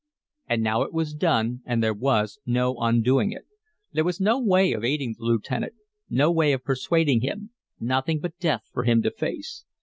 And now it was done and there was no undoing it. There was no way of aiding the lieutenant, no way of persuading him, nothing but death for him to face.